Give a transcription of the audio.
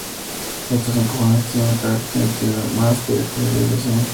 Estos empujones tienen un carácter instigador más que de agresión.